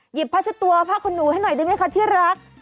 หยิบผ้าชะตัวผ้าคุณหนูให้หน่อยได้ไหมคะที่รัก